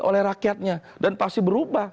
oleh rakyatnya dan pasti berubah